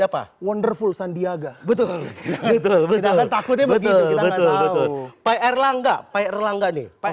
apa wonderful sandiaga betul betul takutnya betul betul pak erlangga pak erlangga nih pak